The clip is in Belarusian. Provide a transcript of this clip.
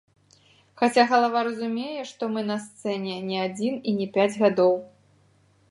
Хаця галава разумее, што мы на сцэне не адзін і не пяць гадоў.